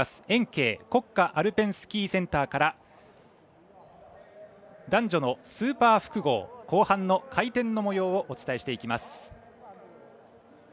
延慶国家アルペンスキーセンターから男女のスーパー複合後半の回転のもようをお伝えしていきます。